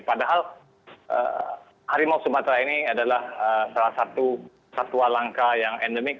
padahal harimau sumatera ini adalah salah satu satwa langka yang endemik